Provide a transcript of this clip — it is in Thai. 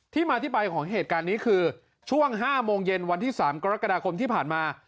มาที่ไปของเหตุการณ์นี้คือช่วง๕โมงเย็นวันที่๓กรกฎาคมที่ผ่านมา